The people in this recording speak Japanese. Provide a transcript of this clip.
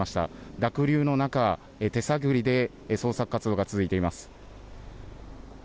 濁流の中、手探りで捜索活動が続いています。